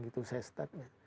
gitu saya start nya